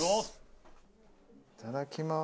いただきます。